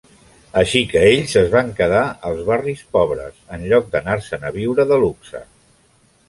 Així que ells es van quedar als barris pobres, en lloc d'anar-se'n a viure de luxe.